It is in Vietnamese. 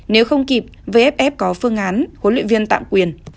nếu không kịp vff có phương án huấn luyện viên tạm quyền